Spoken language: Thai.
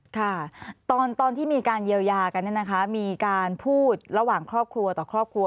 ค่ะตอนที่มีการเยียวยากันเนี่ยนะคะมีการพูดระหว่างครอบครัวต่อครอบครัว